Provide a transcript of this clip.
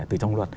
từ trong luật